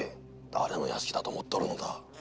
誰の屋敷だと思っておるのだ。